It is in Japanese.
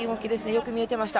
よく見えてました。